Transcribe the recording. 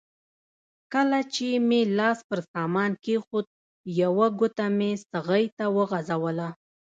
کله چې مې لاس پر سامان کېښود یوه ګوته مې څغۍ ته وغځوله.